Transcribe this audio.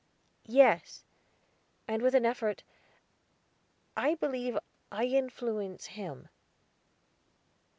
"Yes"; and, with an effort, "I believe I influence him."